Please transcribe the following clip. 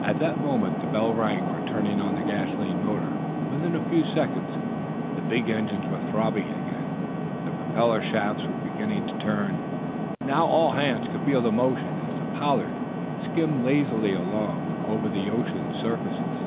At that moment the bell rang for turning on the gasoline motor. Within a few seconds the big engines were throbbing. Again the propeller shafts began to turn. Now, all hands could feel the motion as the "Pollard" skimmed lazily along over the ocean's surfaces.